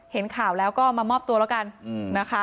เห็นข่าวแล้วก็มามอบตัวแล้วกันนะคะ